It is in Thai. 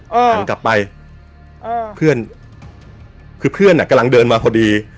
หันกลับไปอ่าเพื่อนคือเพื่อนอ่ะกำลังเดินมาพอดี